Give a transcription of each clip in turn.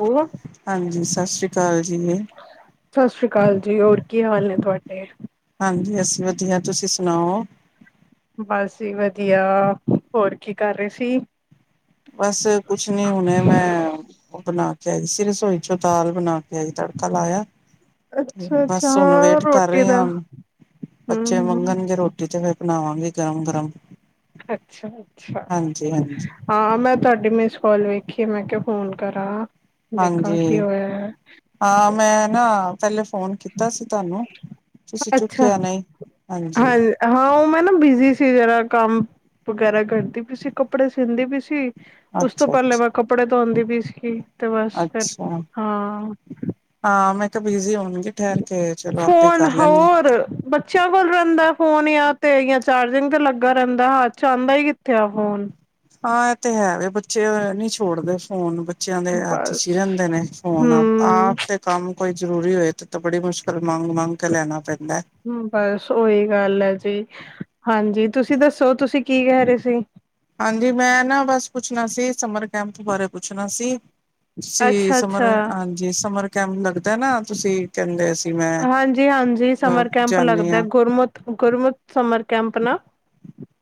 ਉਹ ਹਾਂਜੀ, ਸਤਿ ਸ੍ਰੀ ਅਕਾਲ ਜੀ। ਸਤਿ ਸ੍ਰੀ ਅਕਾਲ ਜੀ, ਹੋਰ ਕੀ ਹਾਲ ਨੇ ਤੁਹਾਡੇ? ਹਾਂਜੀ, ਅਸੀਂ ਵਧੀਆ ਤੁਸੀਂ ਸੁਣਾਓ? ਬਸ ਜੀ ਵਧੀਆ, ਹੋਰ ਕੀ ਕਰ ਰਹੇ ਸੀ? ਬਸ ਕੁਛ ਨੀ, ਹੁਣੇ ਮੈਂ ਬਣਾ ਕੇ ਆਈ ਸੀ ਰਸੋਈ ਚੋਂ, ਦਾਲ ਬਣਾ ਕੇ ਆਈ ਤੜਕਾ ਲਾਇਆ। ਅੱਛਾ ਅੱਛਾ ਬਸ ਹੁਣ ਹਾਂ ਵੇਟ ਕਰ ਰੋਟੀ ਰਹੇ ਦਾ ਆ, ਬੱਚੇ ਹਮ ਹਮ ਮੰਗਣਗੇ ਰੋਟੀ ਤੇ ਫ਼ਿਰ ਬਣਾਵਾਂਗੀ ਗਰਮ-ਗਰਮ। ਅੱਛਾ ਅੱਛਾ, ਹਾਂਜੀ-ਹਾਂਜੀ, ਹਾਂਜੀ। ਹਾਂ ਮੈਂ ਤੁਹਾਡੀ ਮਿਸ ਕੋਲ ਵੇਖੀ ਏ ਮੈਂ ਕਿਹਾ ਫੋਨ ਕਰਾਂ। ਦੇਖਾਂ ਕੀ ਹਾਂਜੀ, ਹੋਇਆ ਹੈ। ਹਾਂ ਮੈਂ ਨਾ ਪਹਿਲੇ ਫ਼ੋਨ ਕੀਤਾ ਸੀ ਤੁਹਾਨੂੰ, ਤੁਸੀਂ ਅੱਛਾ ਚੁੱਕਿਆ ਨਹੀਂ, ਹਾਂਜੀ। ਹਾਂ ਹਾਂ ਉਹ ਮੈਂ ਨਾ ਬਿਜੀ ਸੀ ਜਰਾ, ਕੰਮ ਵਗੈਰਾ ਕਰਦੀ ਪਈ ਸੀ, ਕੱਪੜੇ ਸੀਦੀ ਪਈ ਸੀ। ਉਸ ਤੋਂ ਪਹਿਲੇ ਅੱਛਾ-ਅੱਛਾ, ਮੈਂ ਕੱਪੜੇ ਧੋਂਦੀ ਪਈ ਸੀਗੀ। ਅੱਛਾ, ਹਾਂ ਮੈਂ ਮੈਂ ਕਿਆ ਬਿਜੀ ਹੋਣਗੇ ਠਹਿਰ ਕੇ ਚਲੋ ਆਪੇ ਕਰ ਲੈਣਗੇ। ਬੱ ਬੱਚਿਆਂ ਕੋਲ ਰਹਿੰਦਾ ਫ਼ੋਨ ਜਾਂ ਤੇ ਜਾਂ ਚਾਰਜਿੰਗ ਤੇ ਲੱਗਾ ਰਹਿੰਦਾ, ਹੱਥ ਚ ਆਂਦਾ ਹੀ ਕਿੱਥੇ ਆ ਫੋਨ। ਹਾਂ ਐ ਤੇ ਹੈ ਵੇ ਬੱਚੇ ਨੀ ਛੋਡਦੇ ਫੋਨ‌। ਬੱਚਿਆਂ ਦੇ ਹੱਥ ਬਸ ਚ ਰਹਿੰਦੇ ਨੇ ਫ਼ੋਨ, ਹੂੰ ਆਪ ਤੇ ਕੰਮ ਕੋਈ ਜਰੂਰੀ ਹੋਏ ਤੇ ਤੇ ਬੜੀ ਮੁਸ਼ਕਲ ਮੰਗ-ਮੰਗ ਕੇ ਲੈਣਾ ਪੈਂਦਾ। ਬਸ ਉਈ ਗੱਲ ਐ ਜੀ ਹਾਂਜੀ, ਤੁਸੀਂ ਦੱਸੋ ਤੁਸੀਂ ਕੀ ਕੈ ਰੇ ਸੀ? ਹਾਂਜੀ ਮੈਂ ਨਾ ਬਸ ਪੁੱਛਣਾ ਸੀ, ਸਮਰ ਕੈਂਪ ਬਾਰੇ ਪੁੱਛਣਾ ਸੀ। ਤੁਸੀਂ ਅੱਛਾ ਸਮਰ ਅੱਛਾ ਹਾਂਜੀ, ਸਮਰ ਕੈਂਪ ਲੱਗਦਾ ਨਾ, ਤੁਸੀਂ ਕੈ ਦੇ ਸੀ ਮੈਂ ਹਾਂਜੀ ਹਾਂਜੀ ਅ ਸਮਰ ਕੈਂਪ ਜਾਂਦੀ ਲੱਗਦਾ, ਹਾਂ ਗੁਰਮਤਿ ਗੁਰਮਤਿ ਸਮਰ ਕੈਂਪ ਨਾ?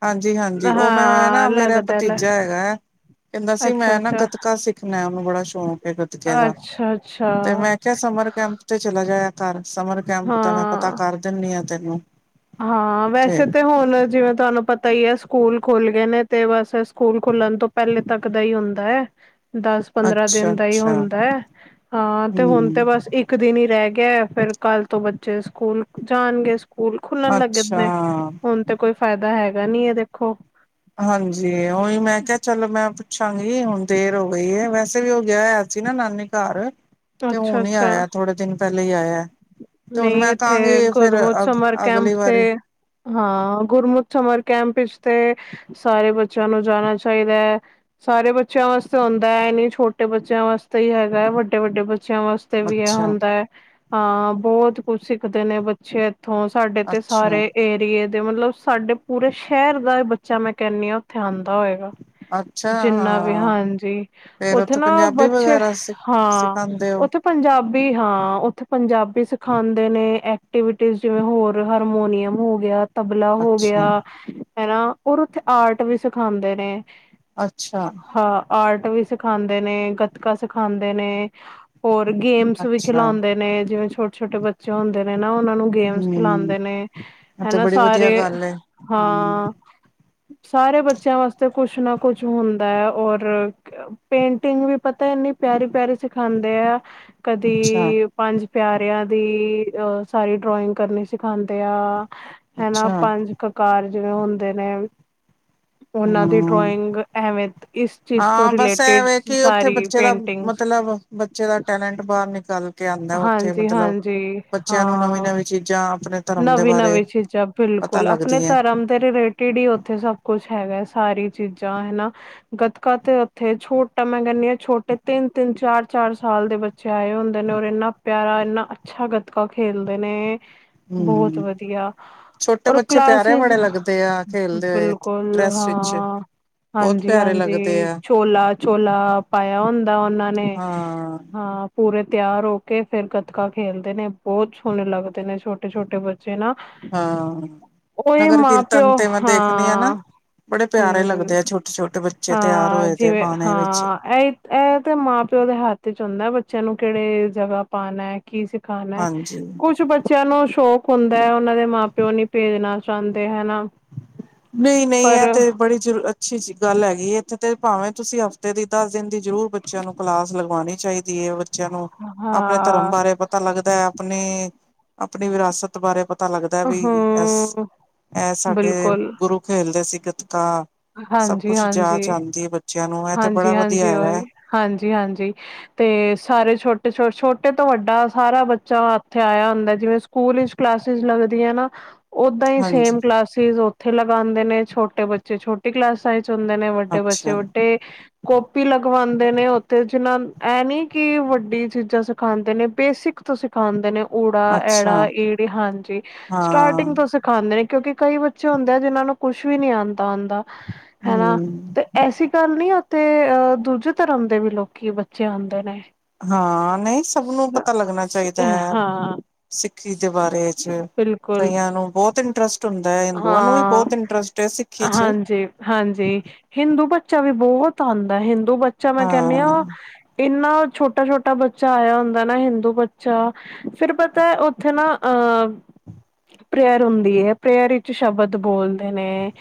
ਹਾਂਜੀ ਹਾਂਜੀ, ਉਹ ਮੈਂ ਨਾ ਹਾਂ ਮੇਰਾ ਲੱਗਦਾ ਲੈ ਭਤੀਜਾ ਹੈਗਾ। ਕਹਿੰਦਾ ਸੀ ਅੱਛਾ ਮੈਂ ਨਾ ਅੱਛਾ ਗੱਤਕਾ ਸਿੱਖਣਾ, ਉਹਨੂੰ ਬੜਾ ਸ਼ੌਂਕ ਐ ਗੱਤਕੇ ਦਾ, ਅੱਛਾ ਅੱਛਾ ਤੇ ਮੈਂ ਮੈਂ ਕਿਆ ਸਮਰ ਕੈਂਪ ਤੇ ਚਲਾ ਜਾਇਆ ਕਰ, ਸਮਰ ਕੈਂਪ ਤਾਂ ਮੈਂ ਪਤਾ ਹਾਂ ਕਰ ਦਿੰਦੀ ਆ ਤੈਨੂੰ। ਹਾਂ, ਵੈਸੇ ਤੇ ਹੋਣ ਜਿਵੇਂ ਤੁਹਾਨੂੰ ਪ ਤਈ ਐ ਸਕੂਲ ਖੁੱਲ ਗਏ ਨੇ ਤੇ ਬਸ ਸਕੂਲ ਖੁੱਲਣ ਤੋਂ ਪੈਲੇ ਤੱਕ ਦਾ ਈ ਹੁੰਦਾ ਐ। ਦਾਸ-ਪੰਦਰਾਂ ਅੱਛਾ ਦਿਨ ਦਾ ਈ ਅੱਛਾ ਹੁੰਦਾ ਐ, ਹਾਂ ਤੇ ਹੁਣ ਤੇ ਹਮ ਬਸ ਇ ਇੱਕ ਦਿਨ ਹੀ ਰੈ ਗਿਆ, ਫੇਰ ਕੱਲ ਤੋਂ ਬੱਚੇ ਸਕੂਲ ਜਾਣਗੇ ਸਕੂਲ। ਖੁੱਲਣ ਲੱਗੇ ਅੱਛਾ ਨੇ, ਹੁਣ ਤੇ ਕੋਈ ਫੈਦਾ ਹੈਗਾ ਨੀ ਐ ਦੇਖੋ। ਹਾਂਜੀ, ਓਈ ਮੈਂ ਕਿਹਾ ਚਲੋ ਮੈਂ ਪੁੱਛਾਂਗੀ ਹੁਣ ਦੇਰ ਹੋ ਗਈ ਏ, ਵੈਸੇ ਵੀ ਓ ਗਿਆ ਹੋਇਆ ਸੀ ਨਾ ਨਾਨੀ ਘਰ ਤੇ ਅੱਛਾ ਹੁਣ ਈ ਆਇਆ, ਥੋੜੇ ਦਿਨ ਪੈਲੇ ਈ ਆਇਆ। ਤੇ ਹੁਣ ਨਈ ਮੈਂ ਏਥੇ ਕਹਾਂਗੀ ਫਿਰ ਗੁਰਮੁਤ ਅ ਸਮਰ ਅਗਲੀ ਕੈਂਪ ਵਾਰੀ ਤੇ ਹਾਂ, ਗੁਰਮੁਤ ਸਮਰ ਕੈਂਪ ਵਿੱਚ ਤੇ - ਸਾਰੇ ਬੱਚਿਆਂ ਨੂੰ ਜਾਣਾ ਚਾਈਦਾ ਐ। ਸਾਰੇ ਬੱਚਿਆਂ ਵਾਸਤੇ ਹੁੰਦਾ ਐ, ਏ ਨੀ ਛੋਟੇ ਬੱਚਿਆਂ ਵਾਸਤੇ ਈ ਹੈਗਾ, ਵੱਡੇ-ਵੱਡੇ ਬੱਚਿਆਂ ਵਾਸ ਤੇ ਵੀ ਐ ਅੱਛਾ ਹੁੰਦਾ ਏ, ਹਾਂ, ਬਹੋਤ ਕੁਛ ਸਿੱਖਦੇ ਨੇ ਬ ਛੇ ਏਥੋਂ, ਸਾਡੇ ਤੇ ਅੱਛਾ ਸਾਰੇ ਏਰੀਏ ਤੇ ਮਤਲਬ ਸਾਡੇ ਪੂਰੇ ਸ਼ਹਿਰ ਦਾ ਬੱਚਾ, ਮੈਂ ਕੈਨੀ ਆ, ਉੱਥੇ ਆਂਦਾ ਹੋਏਗਾ। ਅੱਛਾ ਜਿੰਨਾ ਵੀ ਹਾਂ ਹਾਂਜੀ, ਫੇਰ ਉੱਥੇ ਨਾ ਪੰਜਾਬੀ ਬਚੇ, ਵਗੈਰਾ ਸਿ ਹਾਂ, ਸਿਖਾਉਂਦੇ ਹੋ ਉੱਥੇ ਪੰਜਾਬੀ ਹਾਂ, ਉੱਥੇ ਪੰਜਾਬੀ ਸ ਖਾਂਦੇ ਨੇ ਐਕਟੀਵਿਟੀਜ, ਜਿਵੇਂ ਹੋਰ ਹਾਰਮੋਨੀਅਮ ਹੋਗਿਆ। ਤਬਲਾ ਅੱਛਾ ਹੋਗਿਆ, ਹੈਨਾ ਹੋਰ ਉਥੇ ਆਰਟ ਵੀ ਸਿਖਾਂਦੇ ਨੇ। ਅੱਛਾ। ਹਾਂ, ਆਰਟ ਵੀ ਸਿਖਾਂਦੇ ਨੇ, ਗਤਕਾ ਸਿਖਾਂਦੇ ਨੇ। ਹੋਰ ਗੇਮਸ ਵੀ ਅੱਛਾ ਖਿਲਾਂਉਦੇ ਨੇ, ਜਿਵੇਂ ਛੋ ਟੇ ਬੱਚੇ ਹੁੰਦੇ ਨੇ ਨਾ, ਉਨਾਂ ਨੂੰ ਗੇਮਸ ਹਮ ਖਿਲਾਂਦੇ ਨੇ, ਇਹ ਤੇ ਹੈਨਾ ਬੜੀ ਵਧੀਆ ਸਾਰੇ ਗੱਲ ਏ ਹੂੰ ਹਾਂ। ਸਾਰੇ ਬੱਚਿਆਂ ਵਾਸਤੇ, ਕੁਛ ਨਾ ਕੁਛ ਹੁੰਦੈ, ਔਰ ਪੇਂਟਿੰਗ ਵੀ ਪਤਾ ਏਨੀ ਪਿਆਰੀ-ਪਿਆਰੀ ਸਿਖਾਂਦੇ ਆ। ਅੱਛਾ ਕਦੀ, ਪੰਜ ਪਿਆਰ ਆ ਦੀ ਸਾਰੀ ਡਰੌਇੰਗ ਕਰਨੀ ਸਿਖਾਂਦੇ ਆ, ਹੈਨਾ ਅੱਛਾ ਪੰਜ ਕਕਾਰ ਜਿਵੇਂ ਹੁੰਦੇ ਨੇ, ਉਹਨਾਂ ਦੀ ਹੂੰ ਡਰੌਇੰਗ ਐਵੇਂ ਇਸ ਚੀਜ਼ ਤੋਂ ਹਾਂ, ਬਸ ਰਿਲੇਟਿਡ ਐਵੇ ਕੇ ਉੱਥੇ ਸਾਰੀ ਬੱਚੇ ਦਾ ਪੇਂਟਿੰਗਸ ਮਤਲਬ, ਬੱਚੇ ਦਾ ਟੈਲੇਂਟ ਬਾਰ ਨਿਕਲ ਕੇ ਆਂਦਾ ਉੱਥੇ ਤੇ ਮਤਲਬ ਹਾਂਜੀ, ਬੱਚਿਆਂ ਨੂੰ ਨਵੀਂ ਹਾਂ, ਨਵੀਂ ਚੀਜ਼ਾਂ ਆਪਣੇ ਧਰਮ ਦੇ ਬਾਰੇ ਨਵੀਂ-ਨਵੀਂ ਚੀਜ਼ਾ ਪਤਾ ਬਿਲਕੁਲ, ਅਪਣੇ ਲੱਗਦੀ ਹੈ ਧਰਮ ਦੇ ਰਿਲੇਟਿਡ ਹੀ ਉੱਥੇ ਸਭ ਕੁਛ ਹੈਗਾ, ਸਾਰੀ ਚੀਜ਼ਾਂ ਹੈਨਾ। ਗੱਤਕਾ ਤੇ ਉੱਥੇ ਛੋਟਾ ਮੈਂ ਕੈਂਨੀ ਆ ਛੋਟੇ ਤਿੰਨ-ਤਿੰਨ, ਚਾਰ-ਚਾਰ ਸਾਲ ਦੇ ਬੱਚੇ ਆਏ ਹੁੰਦੇ ਨੇ, ਔਰ ਏਨਾ ਪਿਆਰਾ ਇੰਨਾ ਅੱਛਾ ਗੱਤਕਾ ਖੇਲਦੇ ਨੇ, ਬਹੋਤ ਹੂੰ ਵਧੀਆ। ਛੋਟੇ ਔਰ ਬੱਚੇ ਪਿਆਰੇ ਕਲਾਸਿਸ, ਬੜੇ ਲੱਗਦੇ ਆ ਖੇਲਦੇ ਹੋਏ ਬਿਲਕੁਲ ਡਰੈਸ ਵਿੱਚ ਹਾਂ। ਬਹੁਤ ਪਿਆਰੇ ਲੱਗਦੇ ਹਾਂਜੀ-ਹਾਂਜੀ, ਆ ਚੋਲਾ-ਚੋਲਾ ਪਾਇਆ ਹੁੰਦਾ ਉਨ੍ਹਾਂ ਨੇ, ਹਾਂ ਹਾਂ। ਪੂਰੇ ਤਿਆਰ ਹੋਕੇ, ਫੇਰ ਗ ਤਕਾ ਖੇਲਦੇ ਨੇ, ਬੋਤ ਛੋਣੇ ਲੱਗਦੇ ਨੇ, ਛੋਟੇ-ਛੋਟੇ ਬੱਚੇ ਨਾ। ਹਾਂ ਓਈ ਨਗਰ ਕੀਰਤਨ ਮਾਂ-ਪਿਓ, ਤੇ ਮੈਂ ਦੇਖਣੀ ਆ ਨਾ ਹਾਂ। ਬੜੇ ਪਿਆਰੇ ਹੂੰ, ਲੱਗਦੇ ਆ ਛੋਟੇ ਛੋਟੇ ਬੱਚੇ ਤਿਆਰ ਹਾਂ, ਹੋਏ ਦੇ ਜਿਵੇਂ ਬਾਣੇ ਵਿੱਚ ਹਾਂ, ਐਈ ਐ ਤੇ ਮਾਂ-ਪਿਓ ਦੇ ਹੱਥ 'ਚ ਹੁੰਦਾ, ਬੱਚਿਆਂ ਨੂੰ ਕੇਹੜੇ ਜਗ੍ਹਾ ਪਾਣਾ ਏ, ਕੀ ਸ ਖਾਣੈ, ਹਾਂਜੀ ਕੁੱਛ ਬ ਬੱਚਿਆਂ ਨੂੰ ਸ਼ੌਕ ਹੁੰਦਾ ਐ, ਉਹਨਾਂ ਦੇ ਮਾਂ-ਪਿਓ ਨੀ ਭੇਜਣਾ ਚਾੰਹਦੇ ਹੈਨਾ। ਨਹੀਂ-ਨਹੀਂ, ਐ ਤੇ ਬੜੀ ਜਰ ਅੱਛੀ ਗੱਲ ਹੈਗੀਏ, ਇੱਥੇ ਤੇ ਭਾਵੇਂ ਤੁਸੀਂ ਦੀ, ਦਸ ਦਿਨ ਦੀ ਜ਼ਰੂਰ ਬੱਚਿਆਂ ਨੂੰ ਕਲਾਸ ਲਗਵਾਣੀ ਚਾਹੀਦੀ ਏ, ਬੱਚਿਆਂ ਨੂੰ, ਆਪਣੇ ਧਰਮ ਹਾਂ ਬਾਰੇ ਪਤਾ ਪਤਾ ਲੱਗਦਾ ਐ, ਆਪਣੇ, ਆਪਣੀ ਵਿਰਾਸਤ ਬਾਰੇ ਪਤਾ ਲੱਗਦਾ ਵੀ ਅ ਸ, ਹੂੰ ਐ ਸਾਡੇ ਬਿਲਕੁਲ ਗੁਰੂ ਖੇਲਦੇ ਸੀ ਗਤਕਾ। ਸਭ ਹਾਂਜੀ ਕੁਛ ਹਾਂਜੀ ਜਾਚ ਆਂਦੀ ਏ ਬੱਚਿਆਂ ਨੂੰ, ਐ ਤੇ ਬੜਾ ਵਧੀਆ ਹਾਂਜੀ-ਹਾਂਜੀ ਹੈਗਾ ਉਹੀ ਏ। ਹਾਂਜੀ-ਹਾਂਜੀ। ਤੇ ਸਾਰੇ ਛੋਟੇ, ਛੋ ਛੋਟੇ ਤੋਂ ਵੱਡਾ ਸਾਰਾ ਬੱਚਾ ਇੱਥੇ ਆਇਆ ਹੁੰਦਾ ਜਿਵੇਂ ਸਕੂਲ ਈਚ ਕਲਾਸਿਸ ਲੱਗਦੀਆਂ ਏ ਨਾ। ਓਦਾਂ ਈ ਹਾਂਜੀ ਸੇਮ ਕਲਾਸਿਸ ਉੱਥੇ ਲਗਾਂਦੇ ਨੇ, ਛੋਟੇ ਬੱਚੇ ਛੋ ਕਲਾਸਾਂ ਵਿੱਚ ਹੁੰਦੇ ਨੇ, ਵੱਡੇ ਬੱਚੇ ਅੱਛਾ ਵੱਡੇ ਕਪੀ ਲਗਵਾਂਦੇ ਨੇ ਉੱਥੇ, ਜਿਹਨਾ, ਐ ਨੀ ਕਿ ਵੱਡੀ ਚੀਜ਼ਾਂ ਸਿਖਾਂਦੇ ਨੇ ਬੇਸਿਕ ਸਿਖਾਂਦੇ ਨੇ ੳੜਾ ਅੱਛਾ ਐੜਾ ਈੜੀ ਹਂਜੀ ਹਾਂ ਸਟਾਰਟਿੰਗ ਤੋਂ ਸ ਖਾਂਦੇ ਨੇ ਕਿਉਂਕਿ ਕਈ ਬੱਚੇ ਹੁੰਦੇ ਆ ਜਿਹਨਾਂ ਨੂੰ ਕੁਛ ਵੀ ਨੀ ਆਉਂਦਾ ਆਉਂਦਾ ਹਨਾ ਹਮ ਤੇ ਐਸੀ ਗੱਲ ਨੀ ਉੱਥੇ ਅਹ ਦੂਜੇ ਧਰਮ ਦੇ ਵੀ ਲੋਕੀ ਬੱਚੇ ਆਂਦੇ ਨੇ। ਹਾਂ ਨਹੀਂ ਸਭ ਨੂੰ ਪਤਾ ਲੱਗਨਾ ਚੈਦਾ ਐ। ਹਾਂ ਸਿੱਖੀ ਦੇ ਬਾਰੇ ਚ ਬਿਲਕੁਲ ਕਈਆਂ ਨੂੰ ਬੋੱਤ ਇੰਟਰਸਟ ਹੁੰਦਾ ਐ ਤੁੱਨੂੰ ਨੂੰ ਵੀ ਹਾਂ ਬੋੱਤ ਇੰਟਰਸਟ ਐ ਸਿੱਖੀ ਚ। ਹਂਜੀ, ਹਿੰਦੂ ਬੱਚਾ ਵੀ ਬੋੱਤ ਆਂਦਾ ਹਿੰਦੂ ਬੱਚਾ ਮੈਂ ਹਾਂ ਕੈਨੀਆਂ। ਇੰਨਾ ਛੋਟਾ, ਛੋਟਾ ਬੱਚਾ ਆਇਆ ਹੁੰਦਾ ਨਾ ਹਿੰਦੂ ਬੱਚਾ। ਫੇਰ ਪਤਾ ਔਥੇ ਨਾ ਅਹ ਪ੍ਰੇਅਰ ਹੁੰਦੀ ਏ। ਪ੍ਰੇਅਰ ਵਿਚ ਸ਼ਬਦ ਬੋਲਦੇ ਨੇ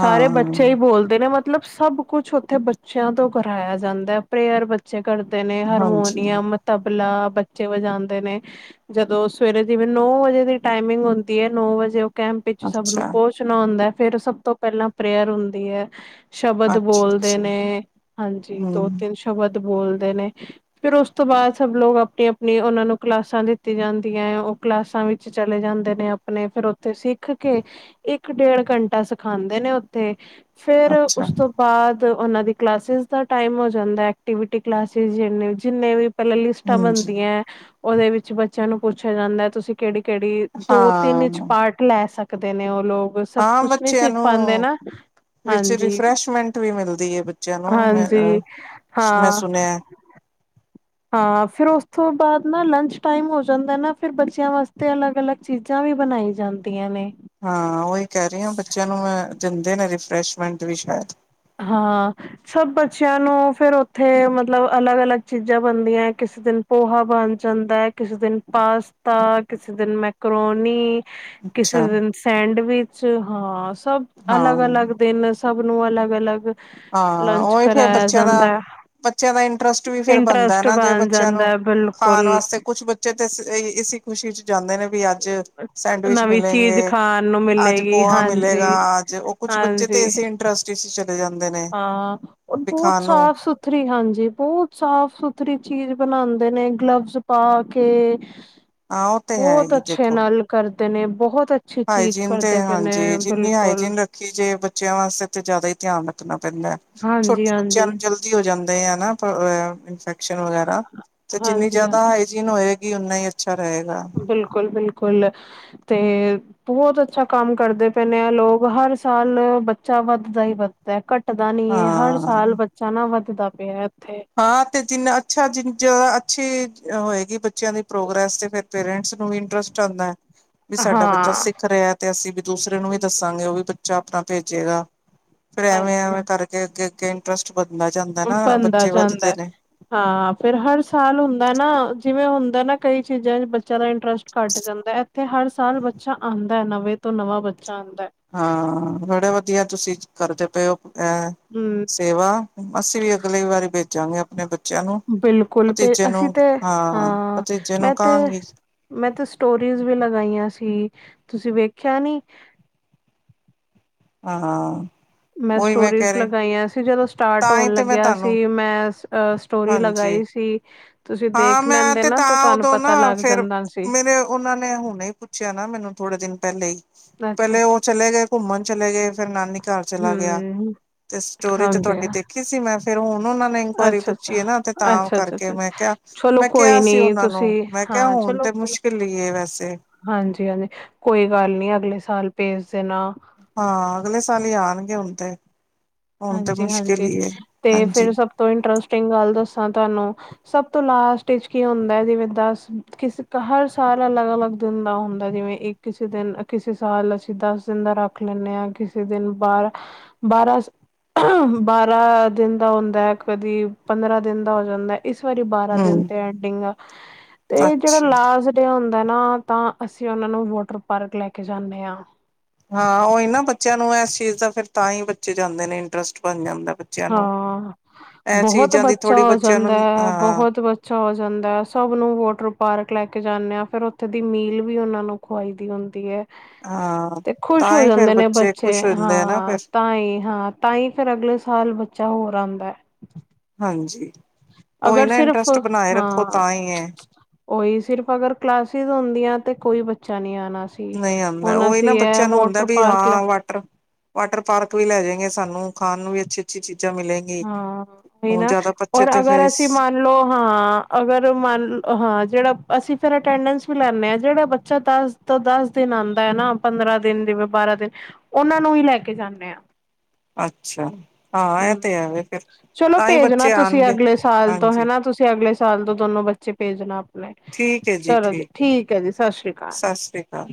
ਸਾਰੇ ਬੱਚੇ ਈ ਬੋਲਦੇ ਨੇ ਮ ਮਤਲਬ ਸਭ ਕੁਛ ਉੱਥੇ ਬੱਚਿਆਂ ਤੋਂ ਕਰਇਆ ਜੈਂਦਾ ਐ। ਪ੍ਰੇਅਰ ਬੱਚੇ ਕਰਦੇ ਨੇ ਹਾਂਜੀ ਹਾਰਮੋਨੀਅਮ ਤਬਲਾ ਬੱਚੇ ਵਜਾਂਦੇ ਨੇ। ਜਦੋਂ ਸਵੇਰੇ ਜਿਵੇਂ ਨੋ ਵਜੇ ਦੀ ਟਾਈਮਿੰਗ ਹੁੰਦੀ ਏ। ਨੋ ਵਜੇ ਕੈਂਪ ਵਿੱਚ ਸਭ ਨੂੰ ਅੱਛਾ ਪਹੁੰਚਨਾ ਹੁੰਦਾ। ਫੇਰ ਸਭ ਤੋਂ ਪੈਲਾਂ ਪ੍ਰੇਅਰ ਹੁੰਦੀ ਐ। ਸ਼ਬਦ ਅੱਛਾ ਬੋਲਦੇ ਅੱਛਾ ਨੇ ਹਂਜੀ, ਦੋ ਹਮ ਤਿੰਨ ਸ਼ਬਦ ਬੋਲਦੇ ਨੇ। ਫਿਰ ਉਸ ਤੋਂ ਬਾਦ ਸਭ ਲੋਕ ਅਪਨੀ ਅਪਨੀ ਉਨਾਂ ਨੂੰ ਕਲਾਸਾਂ ਦਿੱਤੀ ਜੈਂਦੀਆਂ ਔ। ਕਲਾਸਾਂ ਵਿੱਚ ਚਲੇ ਜਾਂਦੇ ਨੇ ਅਪਨੇ ਫੇਰ ਔ। ਸਿੱਖ ਕੇ ਇੱਕ ਡੇਢ ਘੰਟਾ ਸਿਖਾਂਦੇ ਨੇ ਉੱਥੇ। ਫੇਰ ਅੱਛਾ ਉਸ ਤੋਂ ਬਾਦ ਉਨਾਂ ਦੀ ਕਲਾਸਿਸ ਦਾ ਟਾਈਮ ਹੋ ਜੈਂਦਾ। ਐਕਟੀਵਿਟੀ ਕਲਾਸਿਸ ਜਿੰਨੇ ਜਿੰਨੇ ਵੀ ਪੈਲਾਂ ਲਿਸਟਾਂ ਹਾਂਜੀ ਬਨਦੀਆਂ ਔਦੇ ਵਿੱਚ ਬੱਚਿਆਂ ਨੂੰ ਪੁੱਛਿਆ ਜੈਂਦਾ ਐ। ਤੁਸੀਂ ਕੇੜੀ ਕੇੜੀ ਦੋ ਤਿੰਨ ਇੱਚ ਹਾਂ ਪਾਰਟ ਲੈ ਸਕਦੇ ਨੇ ਔ ਲੋਕ। ਸਭ ਹਾਂ ਕੁਛ ਨੀ ਬੱਚਿਆਂ ਸਿੱਖ ਨੂੰ ਪਾਂਦੇ ਨਾ। ਵਿੱਚ ਹਂਜੀ, ਰਿਫਰੈਸ਼ਮੈਂਟ ਵੀ ਮਿਲਦੀ ਹੈ ਬੱਚਿਆਂ ਨੂੰ ਮੈਂ ਹਂਜੀ ਮੈਂ ਹਾਂ। ਸੁਣਿਆ ਹਾਂ ਫੇਰ ਉਸ ਤੋਂ ਬਾਦ ਨਾ ਲੰਚ ਟਾਈਮ ਹੋ ਜੈਂਦਾ ਨਾ। ਫਿਰ ਬੱਚਿਆਂ ਵਾਸਤੇ ਅਲੱਗ ਅਲੱਗ ਚੀਜ਼ਾਂ ਵੀ ਬਨਾਈ ਜਾਂਦੀਆਂ ਨੇ। ਹਾਂ ਔਹੀ ਕਹਿ ਰਹੀ ਹਾਂ ਬੱਚਿਆਂ ਨੂੰ ਦਿੰਦੇ ਨੇ ਰਿਫਰੈਸ਼ਮੈਂਟ ਵੀ ਸ਼ਾਇਦ। ਹਾਂ। ਸਭ ਬੱਚਿਆਂ ਨੂੰ ਫੇਰ ਉੱਥੇ ਮਤਲਬ ਅਲੱਗ ਅਲੱਗ ਚੀਜ਼ਾਂ ਬਨਦੀਆਂ। ਕਿਸੇ ਦਿਨ ਪੋਹਾ ਬਨ ਜਾਂਦਾ ਐ। ਕਿਸੇ ਦਿਨ ਪਾਸਤਾ, ਕਿਸੇ ਦਿਨ ਮੈਕਰੋਨੀ। ਕਿਸੇ ਅੱਛਾ ਦਿਨ ਸੈਂਡਵਿਚ ਹਾਂ ਸਭ ਅਲੱਗ ਹਾਂ ਅਲੱਗ ਦਿਨ। ਸਭ ਨੂੰ ਅਲਗ ਅਲਗ। ਹਾਂ ਔਹੀ ਫੇਰ ਬੱਚਿਆਂ ਦਾ ਬੱਚਿਆਂ ਦਾ ਇੰਟਰਸਟ ਵੀ ਹੈ ਫੇਰ ਬਨਦਾ ਇੰਟਰਸਟ ਨਾ। ਜੇ ਬਣ ਬੱਚਿਆਂ ਜਾਂਦਾ ਨੂੰ ਹੈ ਖਾਨ ਬਿਲਕੁਲ ਵਾਸਤੇ ਕੁਛ ਤੇ ਇਸੀ ਖੁਸ਼ੀ ਚ ਜਾਂਦੇ ਨੇ ਬਚੇ। ਵੀ ਅੱਜ ਸੈਂਡਵਿਚ ਨਵੀਂ ਚੀਜ਼ ਮਿਲੇਗੈ, ਖਾਣ ਨੂੰ ਅੱਜ ਮਿਲੇਗੀ ਪੋਹਾ ਹਾਂਜੀ ਮਿਲੇਗਾ, ਅੱਜ ਕੁਛ ਬੱਚੇ ਤੇ ਹਾਂਜੀ ਇਸੇ ਇੰਟਰਸਟ ਚ ਚਲੇ ਜਾਂਦੇਨੇ। ਹਾਂ ਔਹ ਬੋੱਤ ਸਾਫ ਸੁਥ ਰੀ ਹਾਂਜੀ, ਬਹੁਤ ਸਾਫ਼ ਸੁਥਰੀ ਚੀਜ਼ ਬਨਾਦੇ ਨੇ, ਗਲਵਜ਼ ਪਾ ਕੇ ਹਾਂ ਉਹ ਤੇ ਹੈ ਬੋੱਤ ਹੀ ਅੱਛੇ ਦੇਖੋ ਨਾਲ ਕਰਦੇ ਨੇਬੋੱਤ ਅੱਛ ਹਾਈਜੀਨ ਤੇ ਹਂਜੀ ਜਿੰਨੀ ਹਾਈਜੀਨ ਰੱਖ ਕਿ ਜੇ ਬੱਚਿਆਂ ਵਾਸਤੇ ਤੇ ਜੈ਼ਦਾ ਹੀ ਧਿਆਨ ਰੱਖਨਾ ਪੈਂਦਾ। ਹਾਂਜੀ ਛੋਟੇ ਬੱਚਿਆਂ ਹਾਂਜੀ ਨੂੰ ਜਲਦੀ ਹੋ ਜਾਂਦੇ ਇਨਫੈਕਸ਼ਨ ਵਗੈਰਾਤੇ ਜਿੰਨੀ ਹਾਂਜੀ ਹਾਂ ਜੈ਼ਦਾ ਜਿਨੂੰ ਹੋਏਗੀ ਉਨਾ ਈ ਅੱਛਾ ਰਹੇਗਾ। ਬਿਲਕੁੱਲ, ਬਿਲਕੁੱਲ ਤੇ ਬੋੱਤ ਅੱਛਾ ਕੰਮ ਕਰਦੇ ਪਏ ਨੇ। ਲੋਕ ਹਰ ਸਾਲ ਬੱਚਾ ਵੱਧਦਾ ਹੀ ਵੱਧ ਐ ਘੱਟਦਾ ਨੀ ਏ, ਹਰ ਹਾਂ ਸਾਲ ਬੱਚਾ ਨਾ ਵੱਧਦਾ ਪਿਆ ਇੱਥੇ। ਹਾਂ ਤੇ ਜਿੰਨਾ ਅੱਛਾ, ਜਿੰ ਜਾਦਾ ਅੱਛੀ ਹੋਏਗੀ ਬੱਚਿਆਂ ਦੀ ਪ੍ਰੋਗਰੈਸ ਤੇ ਫੇਰ ਪੇਰੈਂਟਸ ਨੂੰ ਵੀ ਇੰਟਰਸਟ ਆਂਦੈ, ਵੀ ਸਾਡਾ ਬੱਚਾ ਹਾਂ ਸਿੱਖ ਰਿਐ। ਤੇ ਅਸੀਂ ਵੀ ਦੂਸਰੇ ਨੂੰ ਵੀ ਦੱਸਾਂਗੇ, ਉਹ ਵੀ ਬੱਚਾ ਆਪਨਾ ਭੇਜੇਗਾ। ਫੇਰ ਹਾਂਜੀ ਐਵੇਂ-ਐਵੇਂ ਕਰਕੇ ਅੱਗੇ-ਅੱਗੇ ਇੰਟਰਸਟ ਵਨਦਾ ਜਾਂਦੈ ਨਾ ਬੱਚੇ ਵੱਧਦੇ ਜਾਂਦੈ। ਨੇ ਹਾਂ ਫੇਰ ਹਰ ਸਾਲ ਹੁੰਦੈ ਏ ਨਾ, ਜਿਵੇਂ ਹੁੰਦਾ ਨਾ ਕਈ ਚੀਜ਼ਾਂ ਚ ਬੱਚਿਆਂ ਦਾ ਇੰਟਰਸਟ ਘੱਟ ਜਾਂਦੈ। ਤੇ ਹਰ ਸਾਲ ਬੱਚਾ ਆਂਦੈ, ਨਵੇਂ ਤੋਂ ਨਵਾਂ ਬੱਚਾ ਆਦੈ। ਹਾਂ ਬੜੇ ਵਧੀਆ ਤੁਸੀਂ ਕਰਦੇ ਪਏ ਉ ਐ ਹੂੰ। ਸੇਵਾ ਅਸੀਂ ਵੀ ਅਗਲੇ ਵਾਰੀ ਭੇਜਾਂਗੇ ਪਨੇ ਬੱ ਬਿਲਕੁਲ ਭੇ ਅਸੀਂ ਤੇ, ਹਾਂ ਭਤੀਜੇ ਨੂੰ ਮੈਂ ਤੇ ਕਹਾਂਗੀ ਮੈਂ ਤੇ ਸਟੋਰੀਜ਼ ਵੀ ਲਗਾਈਆਂ ਸੀ, ਤੁਸੀਂ ਵੇਖਿਆ ਨੀ? ਹਾਂ। ਮੈਂ ਉਹੀ ਸਟੋਰੀਜ਼ ਕਹਿ ਰਹੀ ਲਗਾਈਆਂ ਸੀ, ਜਦੋਂ ਸਟਾਰਟ ਤਾਂ ਹੀ ਹੋਨ ਤੇ ਮੈਂ ਲੱਗਿਆ ਤੁਹਾਨੂੰ ਸੀ ਮੈਂ ਅ ਸਟੋਰੀ ਹਾਂਜੀ ਲਗਾਈ ਸੀ। ਤੁਸੀਂ ਹਾਂ, ਦੇਖ ਮੈਂ ਲੈਂਦੇ ਤੇ ਨਾ ਤਾਂ ਤੁਹਾਨੂੰ ਉਦੋਂ ਪਤਾ ਨਾ ਲੱਗ ਫੇਰ ਜਾਂਦਾ ਸੀ ਮੇਰੇ ਉਨਾਂ ਨੇ ਹੁਨੇ ਈ ਪੁੱਛਿਆ ਨਾ, ਮੈਨੂੰ ਥੋੜੇ ਦਿਨ ਪੈਲੇ ਈ। ਅੱਛਾ, ਅੱਛਾ ਅੱਛਾ। ਘੁੰਮਣ ਚਲੇ ਗਏ ਫੇਰ ਨਾਨੀ ਘਰ ਚਲਾ ਗਿਆ, ਹਮ ਤੇ ਸਟੋਰੀ ਤੇ ਹਾਂਜੀ ਤੁਹਾਡੀ ਦੇਖ ਕੀ ਸੀ ਮੈਂ ਫੇਰ ਹੁਨ ਉਨਾਂ ਨੇ ਇਨਕੁਆਇਰੀ ਅੱਛਾ ਅੱਛਾ ਪੁੱਛੀ ਐ ਨਾ, ਤੇ ਤਾਂ ਅੱਛਾ ਅੱਛਾ ਕਰਕੇ ਅੱਛਾ ਮੈਂ ਕਿਆ ਚਲੋ ਮੈਂ ਕੋਈ ਕਿਆ ਸੀ, ਨੀ ਉਨਾਂ ਨੂੰ ਤੁਸੀਂ ਮੈਂ ਕਿਆ ਹੁਨ ਤੇ ਮੁਸ਼ਕਿਲ ਈ ਵੈਸੇ। ਹਾਂਜੀ-ਹਾਂਜੀ ਕੋਈ ਗੱਲ ਨੀ, ਅਗਲੇ ਸਾਲ ਭੇਜ ਦੇਨਾ। ਹਾਂ, ਅਗਲੇ ਸਾਲ ਈ ਆਨਗੇ ਹੁਨ ਤੇ। ਹੁਣ ਤੇ ਮੁਸ਼ਕਿਲ ਹਾਂਜੀ-ਹਾਂਜੀ, ਹੀ ਹੈ ਤੇ ਹਾਂਜੀ ਫੇਰ ਸਭ ਤੋਂ ਇੰਟਰਸਟਿੰਗ ਗੱਲ ਦੱਸਾਂ ਤੁਆਨੂੰ। ਸਭ ਤੋਂ ਲਾਸਟ ਵਿਚ ਕੀ ਹੁੰਦੈ, ਜਿਵੇਂ ਦਸ ਕਿਸ ਹਰ ਸਾਲ ਅਲੱਗ-ਅਲੱਗ ਦਿਨ ਦਾ ਹੁੰਦਾ ਜਿਵੇਂ ਇੱਕ ਕਿਸੇ ਦਿਨ ਕਿਸੇ ਸਾਲ ਅਸੀਂ ਦਸ ਦਿਨ ਦਾ ਰੱਖ ਲੈਂਨੇ ਆਂ, ਕਿਸੇ ਦਿਨ ਬਾਰਾਂ, ਬਾਰਾਂ ਬਾਰਾਂ ਦਿਨ ਦਾ ਹੁੰਦੈ, ਕਦੀ ਪੰਦਰਾਂ ਦਿਨ ਦਾ ਹੋ ਜਾਂਦੈ। ਇਸ ਵਾਰੀ ਬਾਰਾਂ ਦਿਨ ਹਮ ਤੇ ਐਂਡਿੰਗ ਆ, ਤੇ ਜੇੜਾ ਅੱਛਾ ਲਾਜ ਕੱਢਿਆ ਹੁੰਦੈ ਨਾ ਤਾਂ ਅਸੀਂ ਉਨਾਂ ਨੂੰ ਵੋਟਰ ਪਾਰਕ ਲੈ ਕੇ ਜਾਂਨੇ ਆਂ। ਹਾਂ ਉਈ ਨਾ ਬੱਚਿਆਂ ਨੂੰ ਐਸ ਚੀਜ਼ ਦਾ ਫੇਰ ਤਾਂ ਈ ਬੱਚੇ ਜਾਂਦੇ ਨੇ, ਇੰਟਰਸਟ ਬਨ ਜਾਂਦੈ ਬ ਹਾਂ ਬਹੁਤ ਦੀ ਬੱਚਾ ਥੋੜ੍ਹੀ ਹੋ ਬੱਚਿਆਂ ਨੂੰ ਜਾਂਦੈ, ਹਾਂ ਬਹੁਤ ਬ ਅੱਛਾ ਹੋ ਜਾਂਦਾ ਸਭ ਨੂੰ ਵੋਟਰ ਪਾਰਕ ਲੈ ਕੇ ਜਾਂਨੇ ਆ, ਫਿਰ ਉੱਥੇ ਦੀ ਮੀਲ ਵੀ ਉਨਾਂ ਨੂੰ ਖਵਾਈ ਦੀ ਹੁੰਦੀ ਐ। ਹਾਂ ਤੇ ਖ਼ੁਸ਼ ਤਾਂ ਹੋ ਹੀ ਫੇਰ ਜਾਂਦੇ ਨੇ ਬੱਚੇ ਖੁਸ਼ ਹੁੰਦੇ ਆ ਨਾ ਫਿਰ ਹਾਂ ਤਾਂਈ ਹਾਂ ਤਾਂ ਹੀ, ਫੇਰ ਅਗਲੇ ਸਾਲ ਬੱਚਾ ਹੋਰ ਆਂਦੈ। ਹਾਂਜੀ, ਉਈ ਅਗਰ ਨਾ ਸਿਰਫ ਇੰਟਰਸਟ ਬਨਾਈ ਰੱਖੋ ਤਾਂਈ ਏ। ਉਈ ਸਿਰਫ਼ ਅਗਰ ਕਲਾਸਿਸ ਹੁੰਦੀਆਂ, ਤੇ ਕੋਈ ਬੱਚਾ ਨੀ ਆਨਾ ਸੀ। ਨਈ ਆਂਦਾ ਹੁਣ ਉਈ ਨਾ ਅਸੀਂ ਇਹ ਬੱਚਿਆਂ ਨੂੰ ਹੁੰਦੈ, ਵੋਟਰ ਵੀ ਪਾਰਕ ਹਾਂ ਵਾਟਰ ਵਾਟਰ ਪਾਰਕ ਵੀ ਲੈ ਜੇਂਗੇ ਸਾਨੂੰ, ਖਾਣ ਨੂੰ ਵੀ ਅੱਛੀ- ਅੱਛੀ ਚੀਜ਼ਾਂ ਮਿਲੇ ਹਾਂ ੳਈ ਨਾ ਔਰ ਅਗਰ ਫੇਰ ਅਸੀਂ ਮ ਲੋ ਹਾਂ ਅਗਰ ਮੰਨ ਹਾਂ, ਜਿਹੜਾ ਅਸੀਂ ਫੇਰ ਅਟੈਂਡੈਂਸ ਵੀ ਲੈਂਨੇ ਹਾਂ ਜੇੜਾ ਬੱਚਾ ਦਸ ਤੋਂ ਦਸ ਦਿਨ ਆਂਦਾ ਏ ਨਾ ਪੰਦਰਾਂ ਦਿਨ ਜਿਵੇਂ ਬਾਰਾਂ ਦਿਨ ਉਨਾਂ ਨੂੰ ਵੀ ਲੈ ਕੇ ਜਾਂਨੇ ਆ ਅੱਛਾ ਹਾਂ ਐ ਤੇ ਹੈ ਵੇ ਫੇਰ ਚਲੋ ਭੇਜਨਾ ਤੁਸੀਂ ਅਗਲੇ ਸਾਲ ਤੋਂ ਹਾਂਜੀ ਹਨਾ ਤੁਸੀਂ ਅਗਲੇ ਸਾਲ ਤੋਂ ਦੋਨੋ ਬੱਚੇ ਭੇਜਨਾ। ਠੀਕ ਹੈ ਚਲੋ ਜੀ ਠੀਕ ਏ ਜੀ ਸਸ ਸ੍ਰੀ ਕਾਲ। ਆਹ।